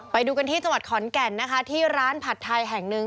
ไปดูกันที่จังหวัดขอนแก่นนะคะที่ร้านผัดไทยแห่งหนึ่ง